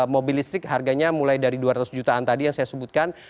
mobil listrik harganya mulai dari dua ratus jutaan tadi yang saya sebutkan